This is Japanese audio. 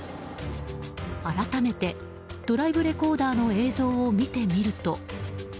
改めてドライブレコーダーの映像を見てみると。